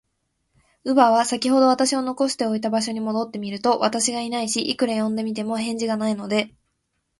乳母は、さきほど私を残しておいた場所に戻ってみると、私がいないし、いくら呼んでみても、返事がないので、